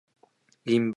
インバウンド